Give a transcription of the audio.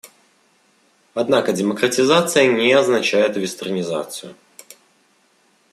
Однако демократизация не означает «вестернизацию».